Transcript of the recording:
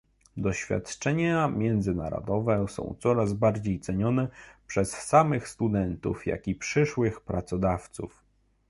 Doświadczenia międzynarodowe są coraz bardziej cenione przez samych studentów, jak i przyszłych pracodawców